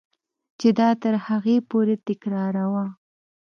چې دا تر هغې پورې تکراروه.